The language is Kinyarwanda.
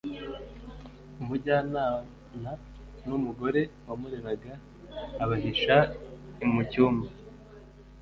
amujyanana n umugore wamureraga abahisha i mu cyumba